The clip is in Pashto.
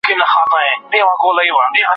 په فضا کې هیڅ هوا نشته چې تنفس شي.